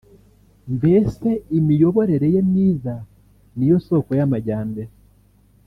mbese imiyoborere ye myiza niyo soko y’amajyambere